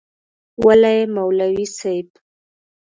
وله یی مولوی صیب